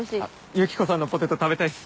ユキコさんのポテト食べたいっす。